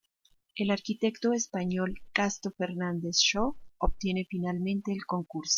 El arquitecto español Casto Fernández-Shaw obtiene finalmente el concurso.